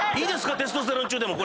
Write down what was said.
テストステロン中でも。